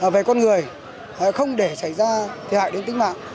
về con người không để xảy ra thiệt hại đến tính mạng